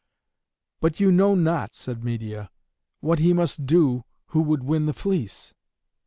"But you know not," said Medeia, "what he must do who would win the fleece.